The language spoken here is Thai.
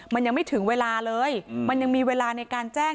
มันยังไม่ถึงเวลาเลยมันยังมีเวลาในการแจ้ง